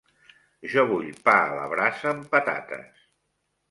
Jo vull pa a la brasa amb patates.